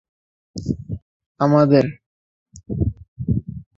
যা ইউরোপ এবং মার্কিন যুক্তরাষ্ট্রে এর জিনিসপত্র বিক্রি করে।